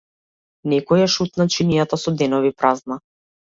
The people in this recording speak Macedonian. Некој ја шутна чинијата со денови празна.